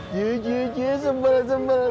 jujur jujur sembalan sembalan sembalan